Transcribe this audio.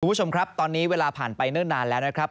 คุณผู้ชมครับตอนนี้เวลาผ่านไปเนิ่นนานแล้วนะครับ